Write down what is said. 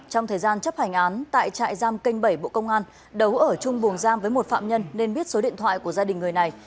trong thời gian chấp hành án tại trại giam kênh bảy bộ công an đấu ở chung buồng giam với một phạm nhân nên biết số điện thoại của gia đình người này